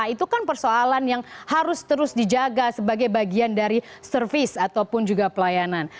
itu kan persoalan yang harus terus dijaga sebagai bagian dari service ataupun juga pelayanan